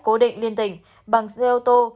cố định liên tỉnh bằng xe ô tô